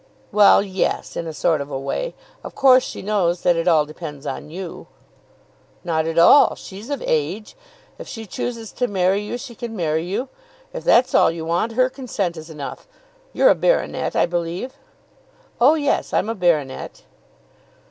"Well, yes; in a sort of a way. Of course she knows that it all depends on you." "Not at all. She's of age. If she chooses to marry you, she can marry you. If that's all you want, her consent is enough. You're a baronet, I believe?" "Oh, yes, I'm a baronet."